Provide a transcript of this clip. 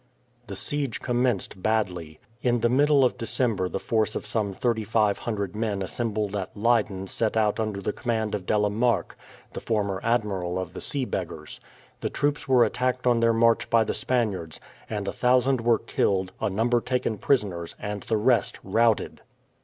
The siege commenced badly. In the middle of December the force of some 3500 men assembled at Leyden set out under the command of De la Marck, the former admiral of the sea beggars. The troops were attacked on their march by the Spaniards, and a thousand were killed, a number taken prisoners, and the rest routed.